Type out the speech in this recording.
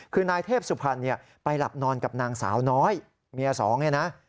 คือนายเทพสุพรรณไปหลับนอนกับนางสาวน้อยเมียสองเนี่ยนะ